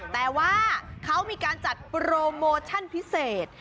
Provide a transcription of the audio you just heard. แต่ว่าเขามีการจัดโปรโมชั่นพิเศษ